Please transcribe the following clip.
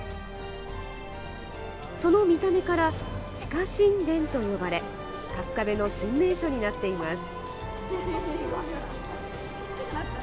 その見た目から地下神殿と呼ばれ春日部の新名所になっています。